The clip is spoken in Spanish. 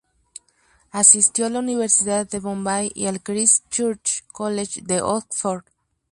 Asistió a la Universidad de Bombay y al Christ Church College de Oxford.